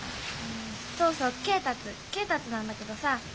そうそう恵達恵達なんだけどさぁ。